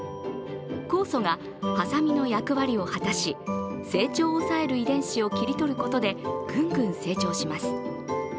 酵素がはさみの役割を果たし成長を抑える遺伝子を切り取ることでグングン成長します。